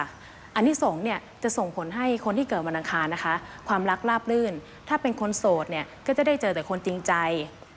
อันที่ส่งจะส่งผลให้คนที่เกิดวันละครความรักราบลื่นถ้าเป็นคนโสดก็จะได้เจอแต่คนจริงใจ